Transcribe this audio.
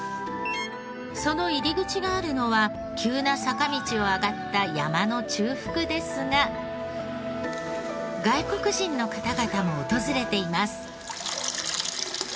その入り口があるのは急な坂道を上がった山の中腹ですが外国人の方々も訪れています。